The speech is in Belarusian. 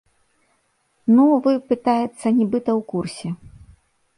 Ну, вы, пытаецца, нібыта ў курсе.